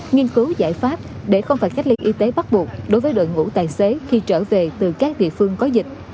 nghiên cứu giải pháp để không phải cách ly y tế bắt buộc đối với đội ngũ tài xế khi trở về từ các địa phương có dịch